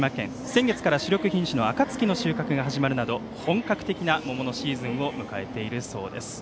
先月から新種品種のあかつきの品種が始まるなど本格的な、もものシーズンを迎えているそうです。